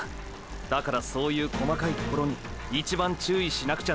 だからそういう細かいところに一番注意しなくちゃならないんだ。